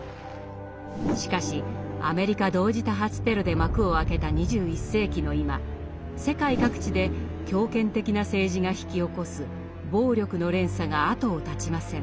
しかしアメリカ同時多発テロで幕を開けた２１世紀の今世界各地で強権的な政治が引き起こす暴力の連鎖が後を絶ちません。